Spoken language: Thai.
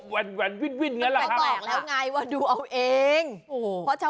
แหวนวินอย่างนั้นแหละค่ะ